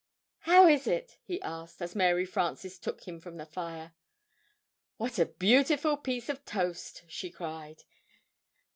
"How is it?" he asked, as Mary Frances took him from the fire. "What a beautiful piece of toast!" she cried.